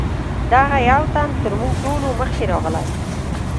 دغه یو تن تر موږ ټولو مخکې راغلی.